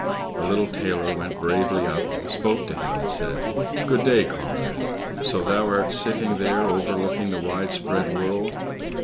The little tailor went bravely up, spoke to him, and said, "Good day, comrade, so thou art sitting there overlooking the wide spread world!